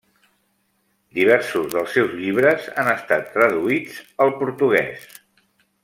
Diversos dels seus llibres han estat traduïts al portuguès.